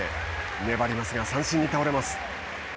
粘りますが三振に倒れます。